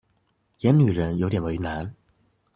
演女人有點為難